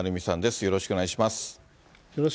よろしくお願いします。